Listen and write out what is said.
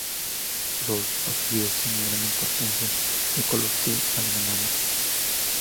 Los áfidos tienen gran importancia ecológica y agronómica.